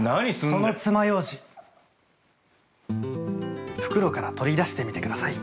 ◆そのつまようじ、袋から取り出してみてください。